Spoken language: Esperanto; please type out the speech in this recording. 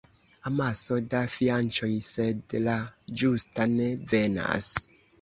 Amaso da fianĉoj, sed la ĝusta ne venas.